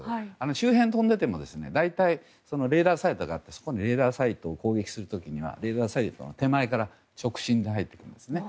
周辺を飛んでいても大体、レーダーサイトがあってそこを攻撃する時にはレーダーサイトの手前から直進で入ってくるんですね。